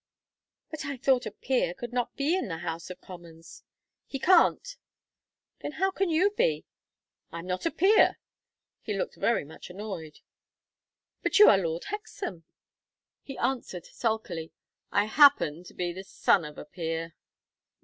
"But I thought a peer could not be in the House of Commons." "He can't." "Then how can you be?" "I am not a peer." He looked very much annoyed. "But you are Lord Hexam." He answered, sulkily: "I happen to be the son of a peer."